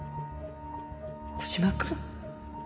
小島くん。